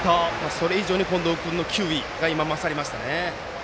それ以上に近藤君の球威が勝りましたね。